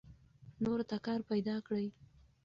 نورو ته کار پیدا کړئ.